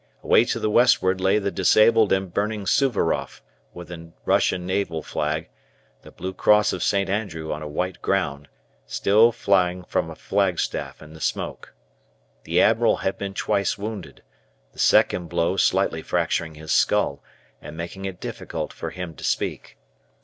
Away to the westward lay the disabled and burning "Suvaroff" with the Russian naval flag, the blue cross of St. Andrew on a white ground, still flying from a flagstaff in the smoke. The admiral had been twice wounded, the second blow slightly fracturing his skull, and making it difficult for him to speak.